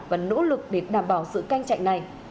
và nỗ lực để đảm bảo sự cạnh tranh này